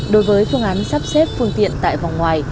đối với phương án sắp xếp phương tiện tại vòng ngoài